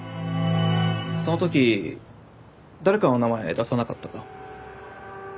その時誰かの名前出さなかったか？